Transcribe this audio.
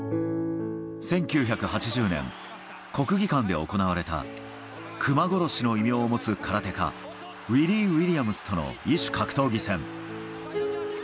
１９８０年、国技館で行われた熊殺しの異名を持つ空手家、ウィリー・ウィリアムスとの異種格闘技戦。